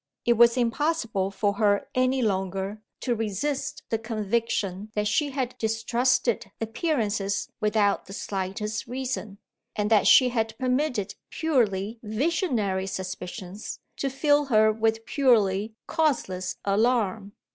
It was impossible for her any longer to resist the conviction that she had distrusted appearances without the slightest reason, and that she had permitted purely visionary suspicions to fill her with purely causeless alarm.